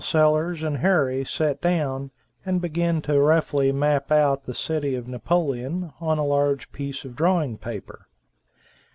Sellers and Harry sat down and began to roughly map out the city of Napoleon on a large piece of drawing paper.